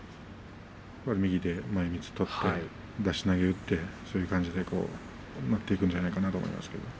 右で前みつを取って、出し投げを打って、そういう感じで持っていくんじゃないかと思いますよ。